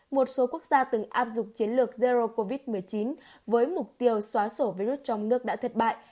một số quốc gia từng áp dụng chiến lược zero covid một mươi chín với mục tiêu xóa sổ virus trong nước đã thất bại